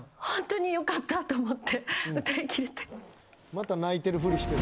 また泣いてるふりしている。